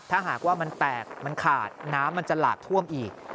ถ้าหากว่ามันแตกมันขาดน้ำมันจะหลากท่วมอีก